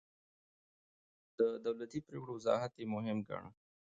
د دولتي پرېکړو وضاحت يې مهم ګاڼه.